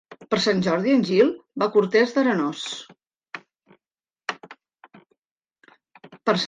Per Sant Jordi en Gil va a Cortes d'Arenós.